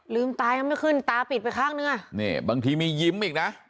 ลืมตายังไม่ขึ้นตาปิดไปข้างหนึ่งอ่ะนี่บางทีมียิ้มอีกนะ